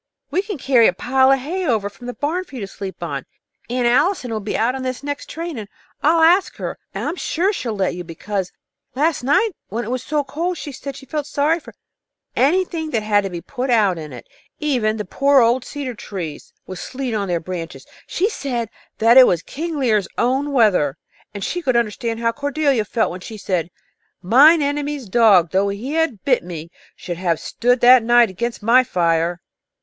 "We can carry a pile of hay over from the barn for you to sleep on. Aunt Allison will be out on this next train and I'll ask her. I am sure she will let you, because last night, when it was so cold, she said she felt sorry for anything that had to be out in it, even the poor old cedar trees, with the sleet on their branches. She said that it was King Lear's own weather, and she could understand how Cordelia felt when she said, _'Mine enemy's dog, though he had bit me, should have stood that night against my fire!'